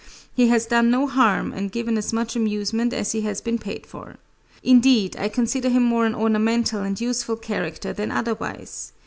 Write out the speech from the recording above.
He has done no harm, and given as much amusement as he has been paid for. Indeed, I consider him more an ornamental and useful character than otherwise.